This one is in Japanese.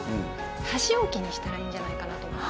箸置きにしたらいいんじゃないかなと思って。